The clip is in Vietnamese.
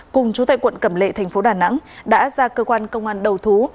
cùng chú tại quận cẩm lệ thành phố đà nẵng đã ra cơ quan công an đầu thú